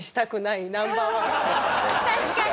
確かに。